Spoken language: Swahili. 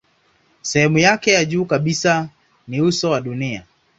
Sehemu yake ya juu kabisa ni uso wa dunia.